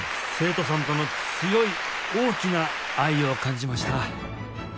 生徒さんとの強い大きな愛を感じました